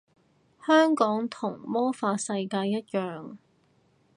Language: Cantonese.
香港同魔法世界一樣